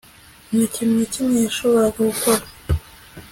Nta kintu na kimwe yashoboraga gukora